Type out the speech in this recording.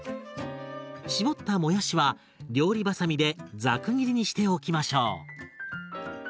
絞ったもやしは料理ばさみでザク切りにしておきましょう。